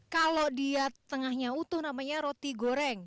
kalau dia tengahnya utuh namanya roti goreng